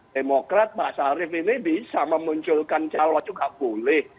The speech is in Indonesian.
demokrat pak sarif ini bisa memunculkan calon juga boleh